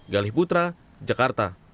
galih putra jakarta